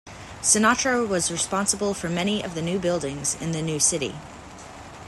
Sinatra was responsible for many of the new buildings in the new city.